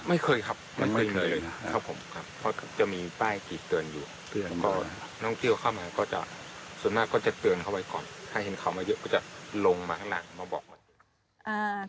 ไม่เคยครับไม่เคยเลยนะครับผมครับเพราะจะมีป้ายติดเตือนอยู่เตือนก็นักท่องเที่ยวเข้ามาก็จะส่วนมากก็จะเตือนเขาไว้ก่อนถ้าเห็นเขามาเยอะก็จะลงมาข้างล่างมาบอกมาเตือน